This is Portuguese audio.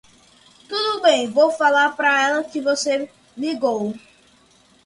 Tudo bem, vou falar para ela que você ligou.